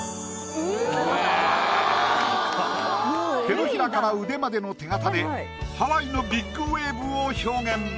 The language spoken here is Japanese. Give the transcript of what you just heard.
手のひらから腕までの手形でハワイのビッグウェーブを表現。